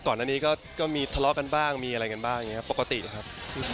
ก่อนอันนี้ก็มีทะเลาะกันบ้างมีอะไรกันบ้างอย่างนี้ปกติครับ